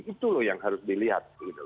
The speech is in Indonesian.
itu yang harus dilihat